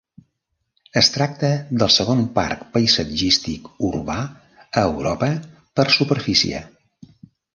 Es tracta del segon parc paisatgístic urbà a Europa per superfície.